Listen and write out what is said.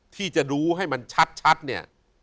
ที่จะดูให้มันชัดเนี่ย